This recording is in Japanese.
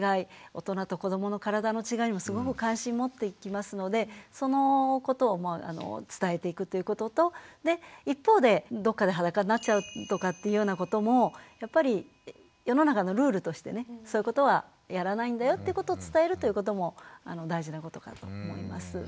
大人と子どもの体の違いにもすごく関心を持っていきますのでそのことを伝えていくということとで一方でどっかで裸になっちゃうとかっていうようなこともやっぱり世の中のルールとしてねそういうことはやらないんだよってことを伝えるということも大事なことかと思います。